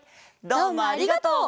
どうもありがとう！